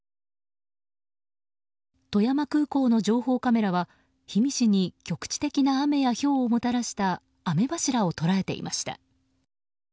富山空港の情報カメラは氷見市に局地的な雨やひょうをもたらした雨柱を捉えていました。